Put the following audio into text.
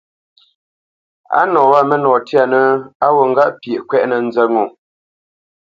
Á nǒ nɔ wâ mə́nɔ tyanə̄ á wǔt ŋgâʼ pyeʼ kwɛ́ʼnə nzə̂t ŋo.